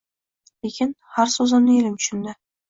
Lekin har so‘zimni elim tushundi.